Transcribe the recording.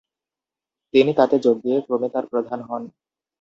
তিনি তাতে যোগ দিয়ে ক্রমে তার প্রধান হন।